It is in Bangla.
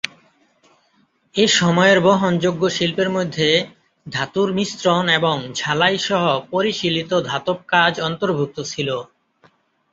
এই সময়ের বহনযোগ্য শিল্পের মধ্যে ধাতুর মিশ্রণ এবং ঝালাই সহ পরিশীলিত ধাতব কাজ অন্তর্ভুক্ত ছিল।